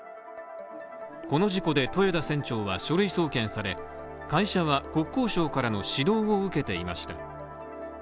この事故で豊田船長は書類送検され、会社は国交省からの指導を受けていました。